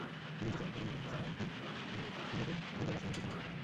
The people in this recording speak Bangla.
দিন শেষে করণীয়সারা দিন রোদে ঘুরে বাসায় এসেই ঠান্ডা পানি খাবেন না।